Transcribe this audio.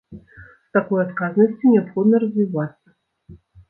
З такой адказнасцю неабходна развівацца!